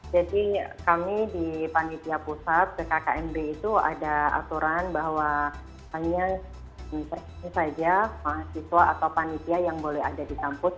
jadi kami di panitia pusat ckkmd itu ada aturan bahwa hanya ini saja mahasiswa atau panitia yang boleh ada di kampus